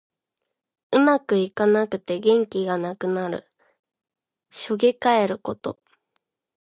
うまくいかなくて元気がなくなる。しょげかえること。